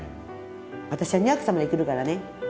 私は２００歳まで生きるからね。